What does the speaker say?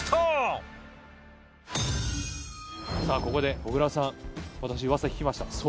ここで小椋さん私うわさ聞きました。